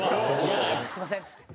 「すみません」っつって。